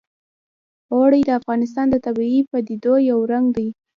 اوړي د افغانستان د طبیعي پدیدو یو رنګ دی.